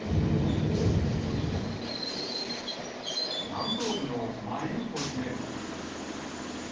南東部のマリウポリでも。